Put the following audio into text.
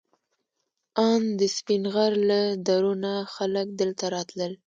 ان د سپین غر له درو نه خلک دلته راتلل.